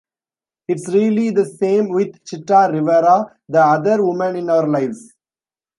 It's really the same with Chita Rivera, the other woman in our lives.